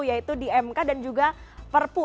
yaitu dmk dan juga perpu